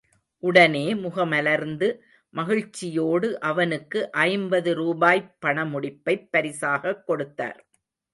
உடனே முகமலர்ந்து மகிழ்ச்சியோடு, அவனுக்கு ஐம்பது ரூபாய்ப் பணமுடிப்பைப் பரிசாகக் கொடுத்தார்.